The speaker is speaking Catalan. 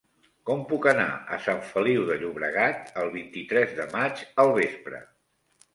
Com puc anar a Sant Feliu de Llobregat el vint-i-tres de maig al vespre?